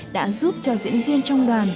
đã giúp cho diễn viên trong đoàn